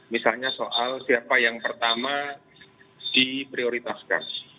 misalnya soal siapa yang pertama diprioritaskan